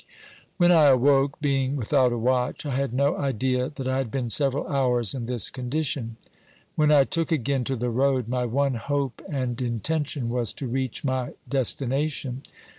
When I awoke, being without a watch, I had no idea that I had been several hours in this condition. When I took again to the road, my one hope and intention was to reach my destination.